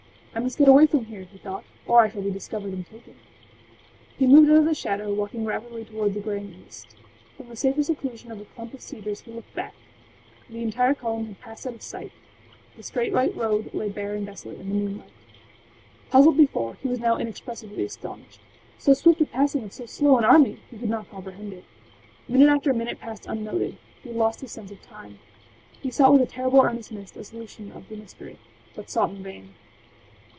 âI must get away from here,â he thought, âor I shall be discovered and taken.â He moved out of the shadow, walking rapidly toward the graying east. From the safer seclusion of a clump of cedars he looked back. The entire column had passed out of sight: the straight white road lay bare and desolate in the moonlight! Puzzled before, he was now inexpressibly astonished. So swift a passing of so slow an army!âhe could not comprehend it. Minute after minute passed unnoted; he had lost his sense of time. He sought with a terrible earnestness a solution of the mystery, but sought in vain.